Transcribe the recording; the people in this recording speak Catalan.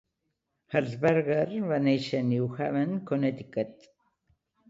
Harshbarger va néixer a New Haven (Connecticut).